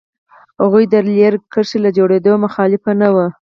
هغوی د رېل کرښې له جوړېدو مخالف نه وو.